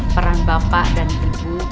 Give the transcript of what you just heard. peran bapak dan ibu